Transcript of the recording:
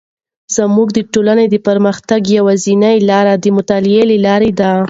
زموږ د ټولنې د پرمختګ یوازینی لاره د مطالعې له لارې ده.